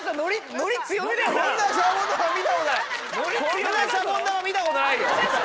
こんなシャボン玉見たことない。